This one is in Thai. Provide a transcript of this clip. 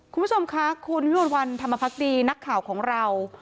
คุณผู้ชมคะคุณวิมวลวันธรรมพักดีนักข่าวของเรา